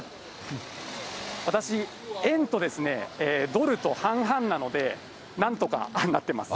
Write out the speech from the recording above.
私、円とドルと半々なので、なんとかなってます。